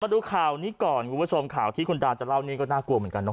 ดูข่าวนี้ก่อนคุณผู้ชมข่าวที่คุณดาวจะเล่านี้ก็น่ากลัวเหมือนกันเนอ